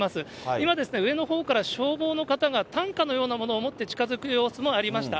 今ですね、上のほうから、消防の方が担架のようなものをもって、近づく様子もありました。